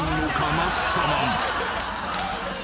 マッサマン］えっ？